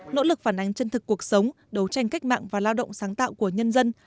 nỗ lực phản ánh chân thực cuộc sống đấu tranh cách mạng và lao động sáng tạo của nhân dân